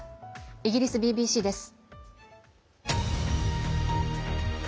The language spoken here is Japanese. イギリスＢＢＣです。